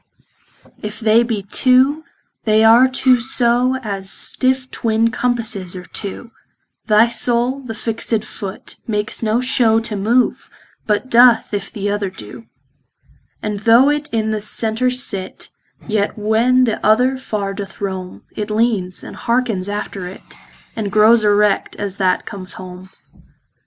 If they be two, they are two so As stiffe twin compasses are two, Thy soule the fixt foot, makes no show To move, but doth, if th' other doe. And though it in the center sit, Yet when the other far doth rome, It leanes, andhearkens after it, And growes erect, as that comes home.